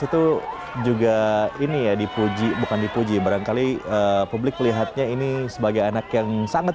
itu juga ini ya dipuji bukan dipuji barangkali publik melihatnya ini sebagai anak yang sangat